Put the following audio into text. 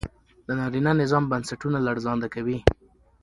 د نارينه نظام بنسټونه لړزانده کوي